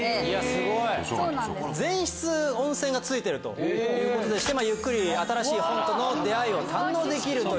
すごい！全室温泉が付いてるということでしてゆっくり新しい本との出合いを堪能できる。